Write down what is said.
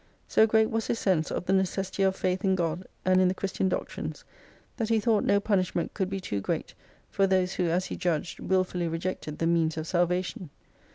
So great was his sense of the necessity of faith in God and in the Christian doctrines that he thought no punishment could be too great for those who, as he judged, wilfully rejected the means of salvation.